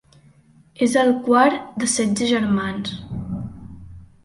És el quart de setze germans.